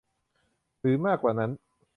หรือมากกว่านั้น